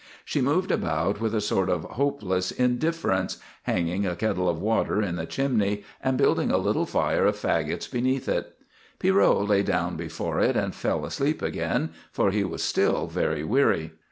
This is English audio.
She moved about with a sort of hopeless indifference, hanging a kettle of water in the chimney and building a little fire of faggots beneath it. Pierrot lay down before it and fell asleep again, for he was still very weary.